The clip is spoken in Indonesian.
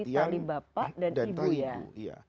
jadi tali bapak dan ibu ya